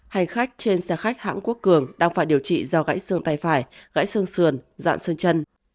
hành khách trên xe khách hãng quốc cường đang phải điều trị do gãy xương tay phải gãy xương sườn dạn xương chân